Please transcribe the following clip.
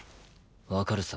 わかるさ。